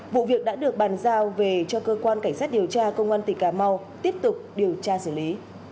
vụ việc đã được bàn giao về cho cơ quan cảnh sát điều tra công an tỉnh cà mau tiếp tục điều tra xử lý